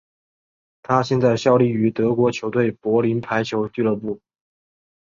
他现在效力于德国球队柏林排球俱乐部。